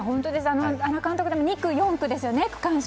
原監督、２区４区ですよね区間賞。